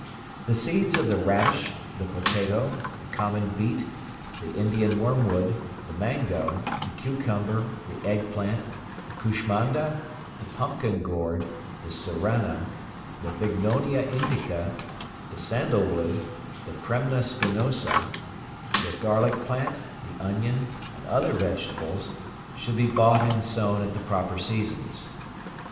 The seeds of the radish, the potato, the common beet, the Indian wormwood, the mangoe, the cucumber, the egg plant, the kushmanda, the pumpkin gourd, the surana, the bignonia indica, the sandal wood, the premna spinosa, the garlic plant, the onion, and other vegetables, should be bought and sown at the proper seasons.